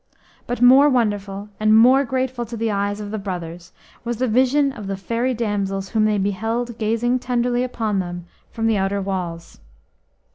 But more wonderful and more grateful to the eyes of the brothers was the vision of the fairy damsels whom they beheld gazing tenderly upon them from the outer walls.